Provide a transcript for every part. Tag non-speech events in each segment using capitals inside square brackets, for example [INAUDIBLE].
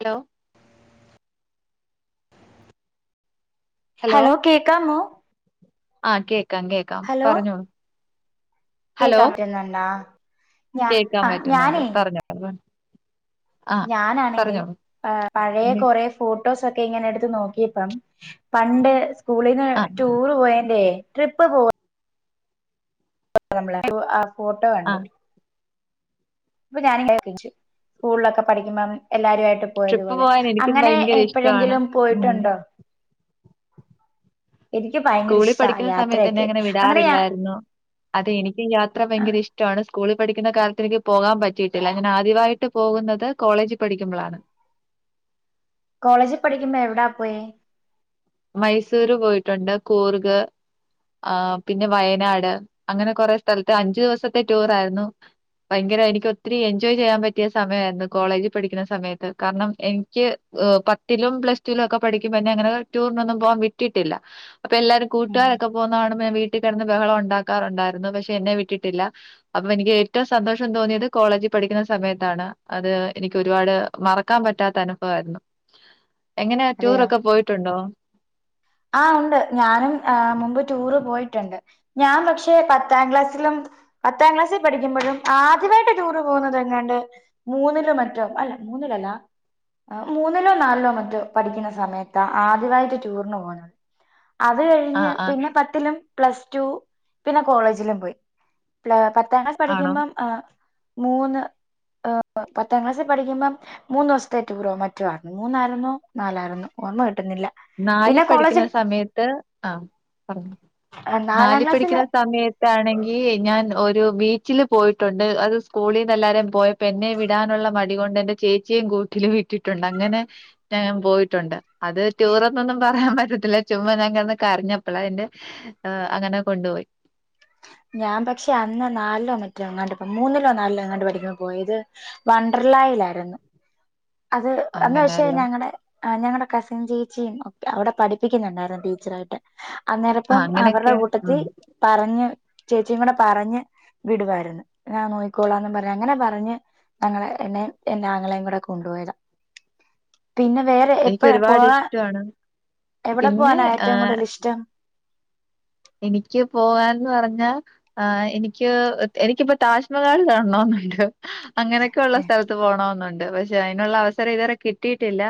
Hello hello കേക്കാമോ ആഹ് കേക്കാം കേക്കാം ഹലോ പറഞ്ഞോ കേക്കാൻ പറ്റുന്നുണ്ടാ ഞാ കേക്കാൻ പറ്റുന്നുണ്ട് ഞാനേ [UNINTELLIGIBLE] ആ ഞാനാണെങ്കില് പറഞ്ഞോളൂ പഴേ പിന്നെ കൊറെ ഫോട്ടോസൊക്കെ ഇങ്ങനെ എടുത്ത് നോക്കിയപ്പം പണ്ട് സ്കൂളിൽന്ന് ആ ടൂർ പോയേൻ്റെ ട്രിപ്പ് പോവ നമ്മളെ ആ ഫോട്ടോ ആ കണ്ട് ഇപ്പൊ ഞാനൻ [UNINTELLIGIBLE] സ്കൂൾലൊക്കെ പഠിക്കുമ്പം എല്ലാരു ആയിട്ട് ട്രിപ്പ് പോയതുപോലെ പോകാൻ എനിക്കും അങ്ങനെ ഭയങ്കര ഇഷ്ടമാണ് എപ്പഴെങ്കിലും ഉം. പോയിട്ടുണ്ടോ എനിക്ക് ഭയങ്കര സ്കൂളിൽ ഇഷ്ടാ പഠിക്കുന്ന സമയത്തന്നെ യാത്രയൊക്കെ അങ്ങനെ ഞാൻ വിടാറില്ലായിരുന്നു അതെ എനിക്ക് യാത്ര ഭയങ്കര ഇഷ് ടാണ് സ്കൂളിൽ പഠിക്കുന്ന കാലത്തിനിക്ക് പോകാൻ പറ്റിയിട്ടില്ല അങ്ങനെ ആദ്യവായിട്ട് പോകുന്നത് കോളേജിൽ പഠിക്കുമ്പളാണ് കോളേജിൽ പഠിക്കുമ്പോ എവിടാ പോയ മൈസൂര് പോയിട്ടുണ്ട് കൂർഗ് ആഹ് പിന്നെ വയനാട് അങ്ങനെ കൊറെ സ്ഥലത്ത് അഞ്ചു ദിവസത്തെ ടൂർ ആയിരുന്നു ഭയങ്കര എനിക്ക് ഒത്തിരി എൻജോയ് ചെയ്യാൻ പറ്റിയ സമയായിരുന്നു കോളേജ് പഠിക്കുന്ന സമയത്ത് കാരണം എനി ക്ക് പത്തിലും പ്ലസ് ടുലും ഒക്കെ പഠിക്കും പന്നെ അങ്ങനെ ടൂറിനൊന്നും പോവാൻ വിറ്റിട്ടില്ല അപ്പൊ എല്ലാരും ഉം, കൂട്ടുകാരൊക്കെ പോകുന്ന കാണുമ്പോ ഞാ വീട്ടിൽ കട്ന്ന് ബഹളം ഉണ്ടാക്കാറുണ്ടായിരുന്നു പക്ഷെ എന്നെ വിട്ടിട്ടില്ല അപ്പൊ എനിക്ക് ഏറ്റവും സന്തോഷം തോന്നിയത് കോളേജിൽ പഠിക്കുന്ന സമയത്താണ് അത് എനിക്ക് ഒരുപാട് മറക്കാൻ പറ്റാത്ത അനുഭവായിരുന്നു എങ്ങനെ അതെയോ ടൂറൊക്കെ പോയിട്ടുണ്ടോ ആഹ് ഉണ്ട് ഞാനും ഏഹ് മുമ്പ് ടൂറ് പോയിട്ടുണ്ട് ഞാൻ പക്ഷെ പത്താം ക്ലാസ്സിലും പത്താം ക്ലാസ്സിൽ പഠിക്കുമ്പഴും ആദ്യമായിട്ട് ടൂറ് പോകുന്നത് എങ്ങാണ്ട് മൂന്നിലോ മറ്റോ അല്ല മൂന്നിലല്ല മൂന്നിലോ നാലിലോ മറ്റോ പഠിക്കുന്ന സമയത്ത ആദ്യമായിട്ട് ടൂറിന് പോണ അത് കഴിഞ്ഞ് ആഹ് ആഹ് പിന്നെ പത്തിലും പ്ലസ് ടു പിന്നെ കോളേജിലും പോയി പ പത്താം ക്ലാസ് ആണോ? പഠിക്കുമ്പം ഏഹ് മൂന്ന് പത്താം ക്ലാസ്സിൽ പഠിക്കുമ്പം മൂന്ന് ദിവത്തെ ടൂറോ മറ്റൊ ആയിരുന്നു മൂന്നായിരുന്നോ നാലായിരുന്നോ ഓർമ്മ കിട്ടുന്നില്ല നാല് പിന്നെ പഠിക്കുന്ന കോളേജിൽ സമയത്ത് ആ പറഞ്ഞ ആ, നാലാം നാല് ക്ലാസ്സിൽ പഠിക്കുന്ന സമയത്താണെങ്കിൽ ഞാൻ ഒരു ബീച്ചിൽ പോയിട്ടുണ്ട് അത് സ്കൂളിൽ നിന്ന് എല്ലാവരും പോയ എന്നെ വിടാനുള്ള മടി കൊണ്ട് എന്റെ ചേച്ചിയേ കൂട്ടിൽ വിട്ടിട്ടുണ്ട് അങ്ങനെ ഞാൻ പോയിട്ടുണ്ട് അത് ടൂർ എന്നൊന്നും പറയാൻ പറ്റത്തില്ല ചുമ്മാ ഞാൻ കിടന്ന് കരഞ്ഞപ്പോൾ എന്നെ അങ്ങനെ കൊണ്ടുപോയി ഞാൻ പക്ഷേ അന്നോ നാലോ മറ്റോ എങ്ങാട്ട മൂന്നിലോ നാലിലോ എങ്ങാട്ട് പഠികുമ്പോ പോയത് വണ്ടർലായിലായിരുന്നു അത് അന്ന് വെച്ചാ അങ്ങനെയല്ലേ. ഞങ്ങടെ ആ ഞങ്ങടെ കസിൻ ചേച്ചിയും അവിടെ പഠിപ്പിക്കുന്നുണ്ടായിരുന്നു ടീച്ചറായിട്ട് ആഹ് അന്നേരപ്പം അവരുടെ അങ്ങനെയൊക്കെ കൂട്ടത്തിൽ ഉം. പറഞ്ഞ് ചേച്ചിയും കൂടെ പറഞ്ഞ് വിടുവായിരുന്നു ഞാൻ നോക്കി ക്കോളാംന്ന് പറഞ്ഞു അങ്ങനെ പറഞ്ഞ് ഞങ്ങളെ എന്നെയും എന്റെ ആങ്ങളെയും കൂടെ കൊണ്ടുപോയില്ല പിന്നെ വേറെ എനിക്ക് എപ്പഴാ ഒരുപാട് പോവാൻ ഇഷ്ടാണ്. എവിടെ പിന്നെ പോവാനാണ് ഏറ്റവും ഏഹ് കൂടുതൽ ഇഷ്ടം? എനിക്ക് പോവാൻ എന്ന് പറഞ്ഞാ ആഹ്! എനിക്ക് എനിക്കിപ്പോ താജ്മഹാൽ കാണണന്നുണ്ട് അങ്ങനെയൊക്കെ ഉള്ള ഏഹ് സ്ഥലത്ത് പോണമെന്നുണ്ട് പക്ഷെ അതിനുള്ള അവസ- സരം ഇതുവരെ കിട്ടിയിട്ടില്ല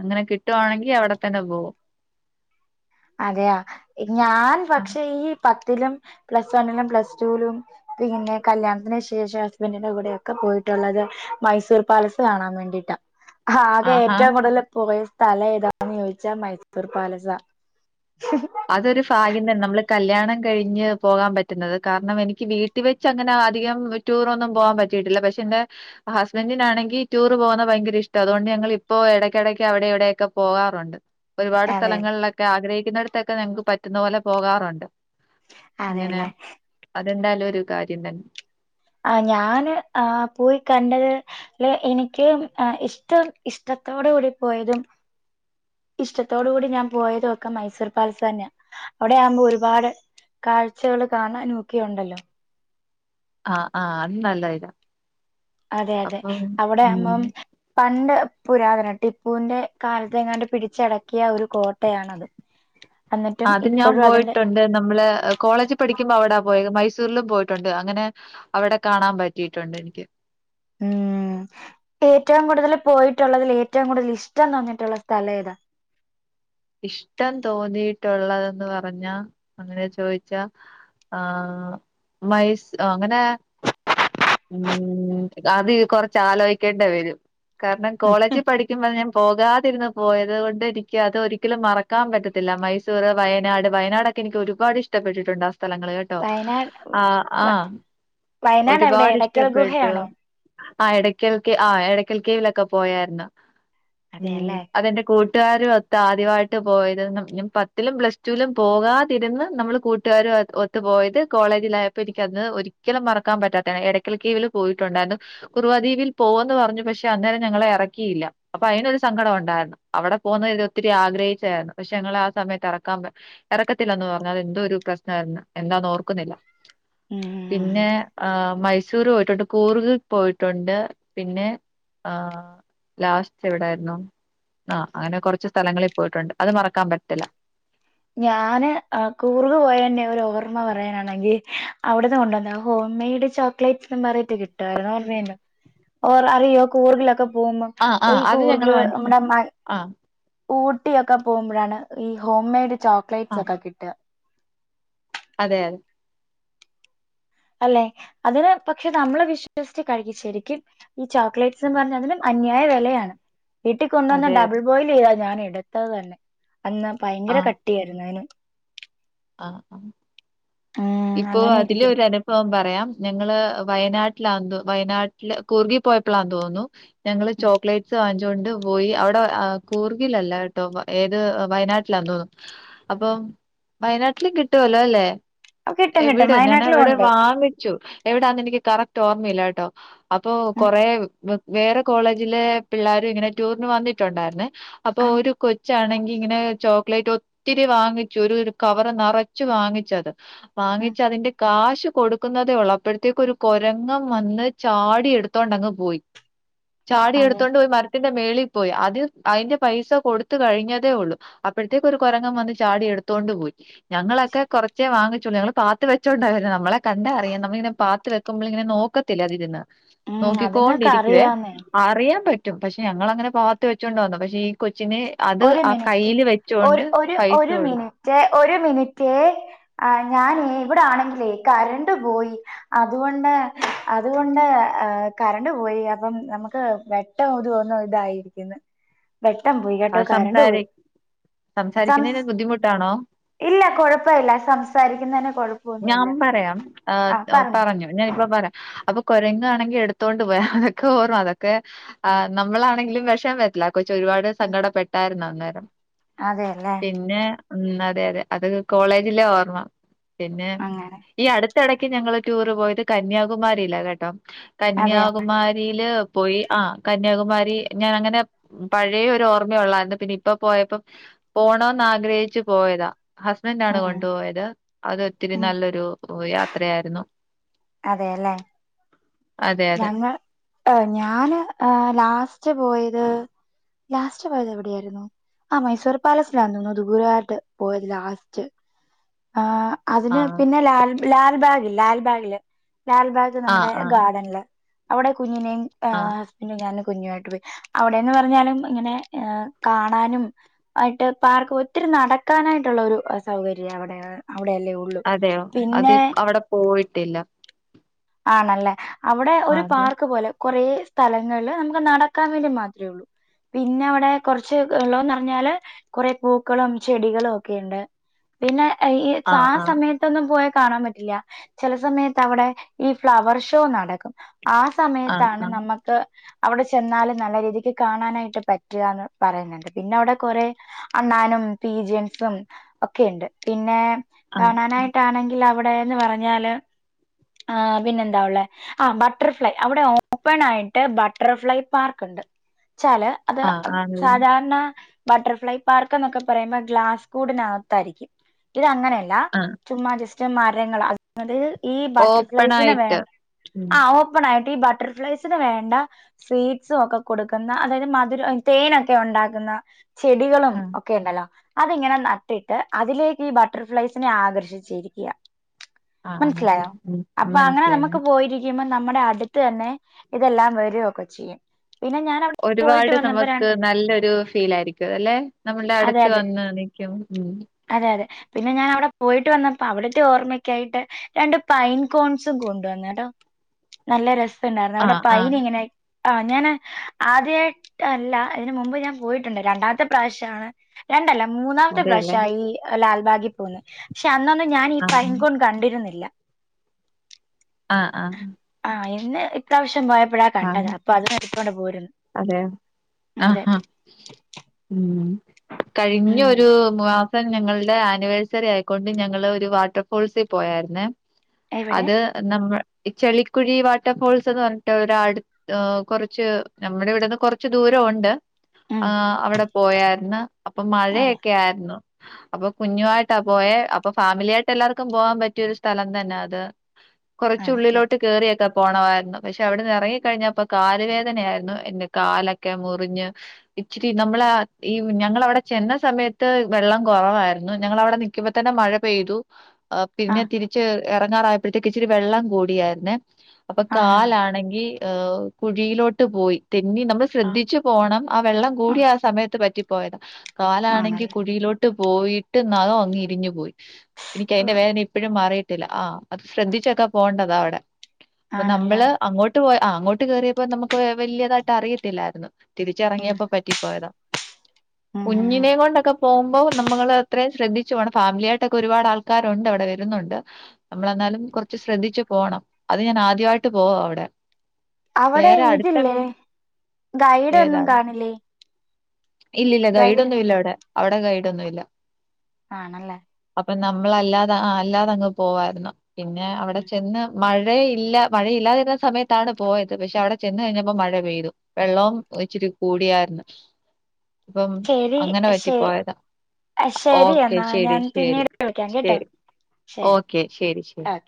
അങ്ങനെ കിട്ടുവാണെങ്കിൽ അവിടെത്തന്നെ പോകും അതെയ ഞാൻ പക്ഷേ ഈ പത്തിലും പ്ലസ് വണ്ണിലും പ്ലസ് ടുവിലും പിന്നെ കല്യാണത്തിന് ശേഷം ഹസ്ബന്റ് ന്റെ കൂടൊക്കെ ഒക്കെ പോയിട്ടുള്ളത് മൈസൂർ പാലസ് കാണാൻ വേണ്ടിട്ട് [INAUDIBLE] ആകെ ആഹാ ഏറ്റവും കൂടുതൽ പോയ സ്ഥലം ഏതാണന്ന് ചോദിച്ചാൽ മൈസൂർ പാലസ ഹും... അതൊരു ഭാഗ്യം തന്നെ നമ്മള് കല്യാണം കഴിഞ്ഞ് പോകാൻ പറ്റുന്നത് കാരണം എനിക്ക് വീട്ട- വീട്ടിൽ വെച്ച് അങ്ങനെ അധികം ടൂർ ഒന്നും പോവാൻ പറ്റിയിട്ടില്ല പക്ഷേ എന്റെ ഹസ്ബന്റ്നാണെങ്കിൽ ടൂർ പോകുന്നത് ഭയങ്കര ഇഷ്ടം അതുകൊണ്ട് ഞങ്ങൾ ഇപ്പോൾ ഇടയ്ക്കിടയ്ക്ക് അവിടെ ഇവിടെയൊക്കെ പോകാറുണ്ട് ഒരുപാട് അതെ സ്ഥലങ്ങളിലൊക്കെ ആഗ്രഹിക്കുന്നിടത്തൊക്കെ ഞങ്ങക്ക് പറ്റുന്ന പോലെ പോകാറുണ്ട് അങ്ങനെ അതെല്ലേ അതെന്തായാലും ഒരു കാര്യം തന്നെ ആഹ് ഞാന് ആ പോയി കണ്ടത് അല്ലെ എനിക്ക് ഇഷ്ടം ഇഷ്ടത്തോട് കൂടി പോയതും ഇഷ്ടത്തോടു കൂടി ഞാൻ പോയത് ഒകെ മൈസൂർ പാലസ് തന്നെയാ അവിടെയാവുമ്പോ ഒരുപാട് കാഴ്ചകൾ കാണാനൊക്കെയുണ്ടല്ലോ ആഹ്! ആഹ്! അത് നല്ലയിതാ അതെ! അതെ! അവിടെ ഉം അവുമ്പം പണ്ട് പുരാതന ടിപ്പൂവിന്റെ കാലത്ത് എങ്ങാണ്ട് പിടിച്ചടക്കിയ ഒരു കോട്ടയാണത് എന്നിട്ടും അത് ഞാൻ ഇപ്പോഴും അതിന്റെ പോയിട്ടുണ്ട് നമ്മള് കോളേജ് പഠിക്കുമ്പോൾ അവിടെ പോയ മൈസൂരിലും പോയിട്ടുണ്ട് അങ്ങനെ അവിടെ കാണാൻ പറ്റിയിട്ടുണ്ട് എനിക്ക് ഉം ഏറ്റവും കൂടുതൽ പോയിട്ടുള്ളതിൽ ഏറ്റവും കൂടുതൽ ഇഷ്ടം തോന്നിട്ടുള്ള സ്ഥലം ഏതാ? ഇഷ്ടം തോന്നിയിട്ടുള്ളതെന്ന് പറഞ്ഞാ അങ്ങനെ ചോദിച്ചാ ആഹ്! മൈസ് അങ്ങനെ ഉം.. അത് കൊറച്ച് ആലോചിക്കേണ്ടി വരും കാരണം കോളേജിൽ പഠിക്ക- സത്യം പറഞ്ഞാൽ ഞാൻ പോകാതിരുന്ന് പോയത് കൊണ്ട് എനിക്ക് അത് ഒരിക്കലും മറക്കാൻ പറ്റത്തില്ല മൈസൂർ വയനാട് വയനാട് ഒക്കെ എനിക്ക് ഒരുപാട് ഇഷ്ടപ്പെട്ടിട്ടുണ്ട് ആ സ്ഥലങ്ങള് കേട്ടോ വയനാട് ആഹ്! വ- ആഹ്! ഒരു വയനാട് എവിടെ പാട് എടയ്ക്കൽ ഇഷ്ടപ്പെട്ടു ഗുഹയാണോ ആഹ് എടയ്ക്കൽ കേ ആ ഇടയ്ക്കൽ കേവിലൊക്കെ പോയായിരുന്നു ഉം അതെയല്ലേ അതെന്റെ കൂട്ട- കൂട്ടുകാരും ഒത്ത് ആദ്യമായിട്ട് പോയത് പത്തിലും പ്ലസ് ടുവിലും പോകാതിരുന്ന് നമ്മൾ കൂട്ടുകാര് ഒത്ത്‌ ത്ത് പോയത് കോളേജിലായപ്പോ എനിക്ക് അന്ന് ഒരിക്കലും മറക്കാൻ പറ്റാത്തതാണ് എടയ്ക്കൽ കീവില് പോയിട്ടോണ്ടാന്നു കുറുവാദ്വീപിൽ പോവാന്ന് പറഞ്ഞു പക്ഷേ അന്നേരം ഞങ്ങളെ എറക്കിയില്ല അപ്പോ അതിനൊരു സങ്കടം ഒണ്ടാരുന്നു. അവടെ പോകുന്നത്ത് ഒത്തിരി ആഗ്രഹിച്ചായിരുന്നു പക്ഷേ ഞങ്ങളെ ആ സമയത്ത് ഇറക്കാൻ എറക്കത്തില്ലന്ന് പറഞ്ഞു അത് എന്തോ ഒരു പ്രശ്നാരുന്നു എന്താന്ന് ഓർക്കുന്നില്ല. ഉം പിന്നെ ആഹ് മൈസൂര് പോയിട്ടോണ്ട് കൂർഗ് പോയിട്ടോണ്ട് പിന്നെ ആഹ് ലാസ്റ്റെവടാരുന്നു ആഹ് അങ്ങനെകൊറച്ചു സ്ഥലങ്ങളി പോയിട്ടോണ്ട് അത് മറക്കാൻ പറ്റത്തില്ല. ഞാന് ആഹ് കുർഗ് പോയെന്റെ ഓരോർമ്മ പറയനാണങ്കി അവടുന്നുകൊണ്ടുവന്ന ഹോം മെയ്ഡ് ചോ ക്ലേറ്റ്സ് എന്നു പറഞ്ഞു കിട്ടുവാരുന്നു ഓർമ്മേണ്ടോ ഓർ അറിയോ കുർഗിലൊക്കെ പോകുമ്പം ആഹ് ഓഹ് ആഹ് ഈ അത് ഞങ്ങള് കുർഗ് നമ്മടെ മ ആഹ് ഊട്ടിയൊക്കെ പോകുമ്പോളാണ് ഈ ഹോം മെയ്ഡ് ചോക്ലേറ്റ്സൊക്കെ കിട്ടുക. അതെയതെ അല്ലേ അതിനുപക്ഷെ നമ്മളു വിശ്വസിച്ചു കഴിക്കും ശെരിക്കും ഈ ചോക്ലേറ്റ്സെന്നു പറഞ്ഞതിനും അന്യായ വെലയാണ് വീട്ടിൽ കൊണ്ടുവന്നു അതെ ഡബിൾ അതെ ബോയിൽ ചെയ്താ ഞാനെടുത്തതു തന്നെ അന്ന് ഭയങ്കര ആഹ് കട്ടിയായിരുന്നതിന് ആഹ് ആഹ് ഉം ഇപ്പോ അങ്ങനെ അതില് ഇരിക്കുന്നു ഒരാ നുഭവം പറയാം ഞങ്ങള് വയനാട്ടിലാന്നു വയനാട്ടില് കുർഗി പോയപ്പോളാന്നു തോന്നു ഞങ്ങള് ഉം ചോക്ലേറ്റ്സ് വാങ്ങി ച്ചോണ്ടു പോയി അവടെ കൂർഗിലല്ല കേട്ടോ ഏത് വയനാട്ടിലാതോന്നുന്നു അപ്പം വയനാട്ടിലും കിട്ടുവല്ലോല്ലേ അപ്പൊ കിട്ടും കിട്ടും എവടെ വയനാട്ടിലും ഞാനേവടെ ഉണ്ട് വാങ്ങിച്ചു എവടാന്നെനിക്ക് കറക്റ്റ് ഓർമ്മയില്ലാട്ടോ അപ്പോ ഉം കൊറെ വേറെ കോളേജിലെ പിള്ളാരു ഇങ്ങനെ ടൂറിനുവന്നിട്ടോണ്ടാരുന്നേ അപ്പോ ആ ഒരു കൊ ച്ചാണങ്കി ഇങ്ങനെ ചോക്ലേറ്റ് ഒത്തിരി വാങ്ങിച്ചു ഒരു ഒരു കവറു നെറച്ചുവാങ്ങിച്ചത് ഉം വാങ്ങിച്ചതിന്റെ കാശ് കൊടു ക്കുന്നതേയൊള്ളൂ അപ്പോഴ്ത്തേക്കൊരു കൊരങ്ങൻ വന്ന് ചാടി എടുത്തോണ്ടങ്ങുപോയി അതെ ചാടിയെടുത്തൊണ്ട് പോയി മരത്തിന്റെ മേളി പോയി അത് അയിന്റെ പൈസ കൊടുത്തുകഴിഞ്ഞതേയുള്ളു അപ്പോഴ്ത്തേക്കൊരു കൊരങ്ങൻ വന്ന് ചാടിയെടുത്തോണ്ടുപോയി ഞങ്ങളൊക്കെ കൊറച്ചേ വാങ്ങിച്ചൊള്ളു ഞങ്ങള് പാത്തുവെച്ചോണ്ടാ വരുന്നേ നമ്മളെ കണ്ടാലറിയാം നമ്മളിങ്ങനെ പാത്ത് വയ് ക്കുമ്പളിങ്ങനെ നോക്കത്തില്ലേ അതിരുന്ന് ഉം അത് ഇങ്ങക്ക് നോക്കിക്കോണ്ടിരിക്കുവേ അറിയാന്നേ അറിയാൻ പറ്റും പക്ഷേ ഞങ്ങളങ്ങനെ പാത്തു വെച്ചോണ്ടു വന്നു. പക്ഷേ ഈ കൊച്ചിനെ അത് ഒരു ആ മിനിറ്റ് കൈയ്യില് വെച്ചൊണ്ട് പൈസ കൊടുത്തു റ്റേ ഒരു മിനിറ്റേ ആഹ് ഞാനെ ഇവടണെങ്കിലേ കറണ്ടു പോയി അതുകൊണ്ട് അതുകൊണ്ട് ഏഹ് കറണ്ടു പോയി അപ്പം നമുക്ക് വെ വെട്ടം ഒതു ഒന്ന് ഇതായി ഇരിക്കുന്ന് വെട്ടം പോയി കേട്ടോ ആഹ് കറണ്ട് സംസാരി പോയി സംസ് സംസാരിക്കുന്നേന് ബുദ്ധിമുട്ടാണോ ഇല്ല കൊഴപ്പവില്ല സംസാരിക്കുന്നേന് കൊഴ ഞാൻ പറയാം ഏഹ് പറഞ്ഞോ ഞാനിപ്പ പറയാം അപ്പോ കൊരങ്ങാണെങ്കിൽ എടുത്തോണ്ടുപോയി അതക്കെ ഓർ അത ക്കെ ഉം, ആഹ് നമ്മളാണെങ്കിലും വിഷമംവരത്തില്ലേ ആ കൊച്ചൊരുപാടു ഉം. സങ്കടപ്പെട്ടാരുന്നു അന്നേരം അതെ അല്ലേ പിന്നെ ഉം അതെയതെ അതക്കെ കോളേജിലെ ഓർമ്മ പിന്നെ അങ്ങനെ ഈ അടുത്ത എടക്ക് ഞങ്ങള് ടൂറ് പോയത് കന്യാകുമാരിലാ കേട്ടോ അതെ കന്യാകുമാരില് പോയി. ആഹ് കന്യാകുമാരി ഞാനങ്ങനെ പഴയൊരു ഓർമ്മേ ഒള്ളാരുന്നു പിന്നെയിപ്പം പോയപ്പോ പോണോന്നാഗ്രഹിച്ചു പോയതാ ഹസ്ബന്റാണു ഉം, കൊണ്ടുപോയത് അതൊത്തിരി ഉം. നല്ലൊരു യാത്രയായിരുന്നു. അതെയല്ലേ. അതെ അതെ ഞങ്ങൾ ഏ ഞാന് ഏ ലാസ്റ്റ്പോയത്. ലാസ്റ്റു പോയതെവിടെയായിരുന്നു. ആഹ് മൈസൂർ പാലസിലായിരുന്നു ദൂരെയായിട്ടു പോയത് ലാസ്റ്റ് ആഹ്. ആഹ് അതിനുപിന്നെ ലാൽ ലാൽബാഗില് ലാൽബാഗില് ലാൽബാഗ് ആഹ് നമ്മുടെ. ആഹ് നല്ല അവിടെ കുഞ്ഞിനെയും ആഹ്. പിന്നെ ഞാനും കുഞ്ഞുമായിട്ട്പോയി അവിടെന്നുപറഞ്ഞാലും ഇങ്ങനെ ഏഹ് കാണാനും. ആയിട്ട് പാർക്ക് ഒത്തിരി നടക്കാനായിട്ടുള്ള ഒരു സൗകര്യ അവിടെ അവിടെയല്ലേയു ഉളളു അതെയോ അത് പിന്നെ. അവിടെ പോയിട്ടില്ല. ആണല്ലെ അവിടെ ആ, ഒരു അതെ പാർക്കുപോലെ. കൊറേ സ്ഥലങ്ങള് നമുക്ക് നടക്കാൻ വേണ്ടി മാത്രേ ഉള്ളൂ. പിന്നവിടെ കൊർച്ച് വെള്ളോം നർഞ്ഞാല് കൊറേ പൂക്കളും ചെടികളും ഒക്കെയുണ്ട്. പിന്നെ ഈ ആഹ് ആ ആഹ് സമയത്തൊന്നും പോയാ കാണാൻ പറ്റില്ല ചെല സമയത്തവിടെ. ഈ ഫ്ലവർ ഷോ നടക്കും ആ ആഹ് സമയത്താണ് ആഹ് നമ ക് അവിടെ ചെന്നാലും നല്ല രീതിക്ക് കാണാനായിട്ട് പറ്റുകന്ന് പറയുന്നുണ്ട് പിന്നെ അവിടെ കൊറെ. അണ്ണാനും പി ജെംസും ഒക്കെയുണ്ട് പിന്നെ. ആഹ് കാണാനായിട്ടാണെങ്കിൽ അവിടെന്ന് പറഞ്ഞാല് ആ പിന്നെന്താ ഉള്ളേ. ആഹ് ബട്ടർഫ്ലൈ അവിടെ ഓപ്പൺ ആയിട്ട് ബട്ടർഫ്ലൈ പാർക്ക്ണ്ട് ചാല്. അത് ആഹ് ആണല്ലേ സാധാരണ. ബട്ടർഫ്ലൈ പാർക്ക്ന്നൊക്കെ പറയുമ്പൊ ഗ്ലാസ് കൂടിനകത്തായിരിക്കും ഇത് അങ്ങനെയല്ല. ആഹ്. ചുമ്മാ ജസ്റ്റ് മരങ്ങളാ അത് ഈ. ട്ടർഫ്ലയ്സ്നെ ഓപ്പണായിട്ട് വേണം ഉം ആ ഒപ്പണായിട്ട് ഈ ബട്ടർഫ്ലൈസ്. സ്നെ വേണ്ട സ്വീറ്റ്സു ഒക്കെ കൊടുക്കുന്ന അതായത് മധുര തേനൊക്കെ ഉണ്ടാക്കുന്ന. ചെടികളും ആഹ് ഒക്കെയുണ്ടല്ലോ. അതിങ്ങനെ നട്ടിട്ട് അതിലേക്ക് ഈ ബട്ടർഫ്ലൈസിനെ ആകർഷിച്ചിരിക്കുക. ആണല്ലേ ഉം. അപ്പ അങ്ങനെ മനസ്സിലായി നമുക്ക് മന പോയിരി ക്ക്യുമ്പ നമ്മുടെ അടുത്ത് തന്നെ ഇതെല്ലാം വരൊക്കെ ചെയ്യും പിന്നെ ഞാന ഒരുപാട് നമുക്ക് നല്ലൊരു ഫീലായിരിക്കും അല്ലെ നമ്മൾടെ അതെ അടുത്ത് അതെ വന്ന് നിക്കും. അതെ അതെ പിന്നെ ഞാൻ അവിടെ പോയിട്ട് വന്നപ്പോ അവിടുത്തെ ഓർമ്മക്കായിട്ട് രണ്ട് പൈൻ. കോൺസും കൊണ്ടുവന്ന് കെട്ടോ നല്ല രസണ്ടായിരുന്നു അവിടെ ആഹ് ആഹ് പൈന്ങ്ങനെ. ആഹ് ഞാന് ആദ്യായിട്ട് അല്ല അതിന് മുമ്പ് ഞാൻ പോയിട്ടുണ്ട് രണ്ടാമത്തെ പ്രാവശ്യമാണ്. രണ്ടല്ല മൂന്നാമത്തെ അതെയല്ലേ പ്രാവശ്യ ഈ ലാൽബാഗി പോകുന്നത് പക്ഷെ അന്നൊന്ന് ഞാൻ ഈ പൈൻ ആഹ് കൊ കണ്ടിരുന്നില്ല. ആഹ് ആഹ്. ആഹ് ഇന്ന് ഇത്യാവശ്യം പോയപ്പഴാ കണ്ടത് അപ്പൊ അത് എടുത്തൊണ്ട് പോരുന്നു. അതെയൊ അതെ ആഹ് ആഹ് ഉം ഉം കഴിഞ്ഞൊരു. മാസം ഞങ്ങൾടെ ആനിവേഴ്സറി ആയിക്കൊണ്ട് ഞങ്ങള് ഒരു വാട്ടർഫോൾസിൽ പോയായിരുന്നെ. എവിടെ അത്. നമ്മ ഇ ചെളിക്കുഴി വാട്ടർ ഫോൾസ്ന്ന് പർഞ്ഞിട്ട് ഒരട് ഏഹ് കുറച്ച്. നമ്മുടെ ഇവടന്ന് കൊറച്ച് ദൂരൊ ഉണ്ട് ഉം ആ അവിടെ പോയാര്ന്ന്. അപ്പം അതെ മഴയൊക്കെ ആയിരുന്നു. അപ്പൊ കുഞ്ഞുമായിട്ടാ പോയേ അപ്പൊ ഫാമിലിയായിട്ട് എല്ലാർക്കും പോവാൻ പറ്റിയൊരു സ്ഥലം തന്നെ അത് അതെല്ല കുറച്ചുള്ളിലോട്ട് കേയറിയൊക്കെ പോണമായിരുന്നു പക്ഷെ അവിടുന്ന് റങ്ങി കഴിഞ്ഞപ്പം കാലുവേദനയായിരുന്നു എന്റെ കാലൊക്കെ മുറിഞ്ഞ് ഇച്ചിരി നമ്മള് ഈ ഞങ്ങളവിടെ ചെന്ന സമയത്ത് വെള്ളം കുറവായിരുന്നു ഞങ്ങളവിടെ നിക്ക്‌ ക്കുമ്പതന്നെ മഴ പെയ്തു ആ പിന്നെ തിരിച്ച് ഇറങ്ങാറായപ്പോഴത്തേക്ക് ഇച്ചിരി വെള്ളം കൂടിയായിർന്നേ അപ്പൊ ആ കാലാണെങ്കിൽ കുഴിയിലോട്ട് പോയി തെന്നി നമ്മൾ ആ ആ ശ്രദ്ധിച്ച് പോണം ആ വെള്ളം കൂടിയ ആ സമയത്ത് പറ്റിപ്പോയത് കാലാണെങ്കിൽ ആണല്ലേ കുഴിയിലോട്ട് ട്ട് പോയിട്ട് നഖം അങ്ങി ഇരിഞ്ഞു പോയി എനിക്ക് ഓ, അതിന്റെ വേദന ഇ ഇപ്പോഴും മാറിയിട്ടില്ല ആ അത് ശ്രദ്ധിച്ചൊക്കെ പോകേണ്ടത അവിടെ അപ്പൊ ആണല്ലേ നമ്മള് അങ്ങോട്ട് ട്ട് പോ അ അങ്ങോട്ട് കേയറിയപ്പോ നമുക്ക് വല്യതായിട്ട് അറിയത്തില്ലായിരുന്നു ഉം തിരിച്ചറങ്ങിയപ്പോ പറ്റിപ്പോയതാ ഉം ഉം കുഞ്ഞിനെ കൊണ്ടൊക്കെ പോവുമ്പോ നമ്മൾ അത്രയും ശ്രദ്ധിച്ചു പോണം ഫാമിലിയായിട്ടൊക്കെ ഒരുപാട് ആൾക്കാരുണ്ട് അവിടെ വരുന്നുണ്ട് നമ്മള് എന്നാലും കുറച്ച് ശ്രദ്ധിച്ച് പോണം അത് ഞാൻ ആദ്യമായിട്ട് പോവാ അവിടെ അവിടെ വേറെ അടുത്ത ഇതില്ലേ ഗൈഡ് ഒന്നും ഏതാണ് കാണില്ലേ ഇല്ലില്ല ഗൈഡ് ഒന്നും ഇല്ല അവിടെ അവിടെ ഗൈഡ് ഒന്നുല്ല ആണല്ലേ അപ്പ നമ്മളല്ലാതെ ആഹ് അല്ലാതെ അങ്ങ് പോവായിരുന്നു പിന്നേ ഉം അവിടെ ചെന്ന് മഴയില്ല മഴയില്ലാതിരുന്ന സമയത്താണ് പോയത് പക്ഷെ അവിടെ ചെന്ന് കഴിഞ്ഞപ്പോ മഴ പെയ്തു വെള്ളോം ഇച്ചിരി കൂടിയായിരുന്നു ഇപ്പം ശരി അങ്ങനെ ശ പറ്റിപ്പോയതാ ശരി ഓക്കെ എന്നാ ശരി ഞാൻ ശരി പിന്നീട് വിളിക്കാം കേട്ടോ ശരി ശരി ഓക്കെ ശരി ശരി ഓക്കെ